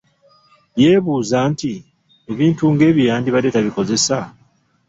Yeebuuza nti ebintu ng’ebyo yandibadde tabikozesa?